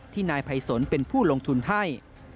นายภัยสนเป็นผู้ลงทุนให้